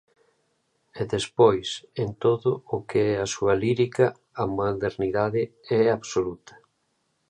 E despois, en todo o que é a súa lírica, a modernidade é absoluta.